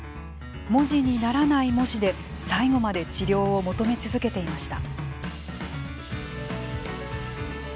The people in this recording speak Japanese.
文字にならない文字で最後まで治療を求め続けていました。